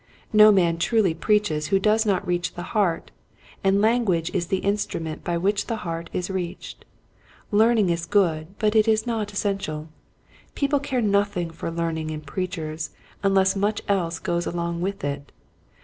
No man truly preaches who does not reach the heart, and language is the instrument by which the heart is reached. Learning is good, but it is not essential. People care nothing for learning in preachers unless much else goes along with it.